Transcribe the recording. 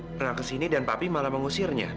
pernah kesini dan papi malah mengusirnya